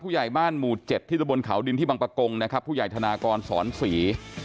ใหญ่บ้านหมู่๗ที่ตะบนเขาดินที่บังปะกงนะครับผู้ใหญ่ธนากรสอนศรี